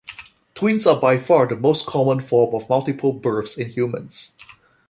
Twins are by far the most common form of multiple births in humans.